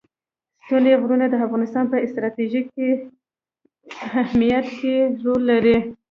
ستوني غرونه د افغانستان په ستراتیژیک اهمیت کې رول لري.